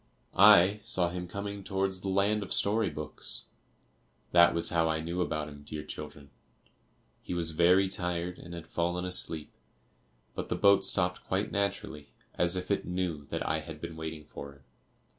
I saw him coming towards the land of story books. That was how I knew about him, dear children. He was very tired and had fallen asleep, but the boat stopped quite naturally, as if it knew that I had been waiting for him.